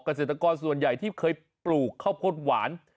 เกษตรกรส่วนใหญ่ที่เคยปลูกข้าวโพดหวาน